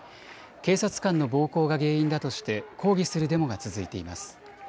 警察官の暴行が原因だとして抗議するデモが続いています。